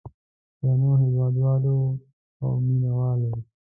درنو هېوادوالو او مینه والو.